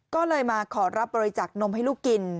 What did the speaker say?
ก็เลยมาขอรับบริจาคนมให้ลูกกิน